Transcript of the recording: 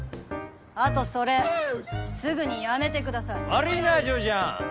あとそれすぐにやめてください悪いな嬢ちゃん